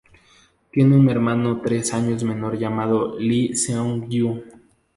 Tiene un hermano tres años menor llamado Lee Seon-gyu.